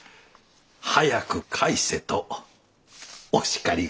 早く返せとお叱りが。